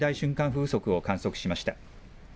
風速を観測しました。